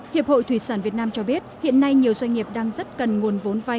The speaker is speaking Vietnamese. hiệp hội thủy sản việt nam cho biết hiện nay nhiều doanh nghiệp đang rất cần nguồn vốn vai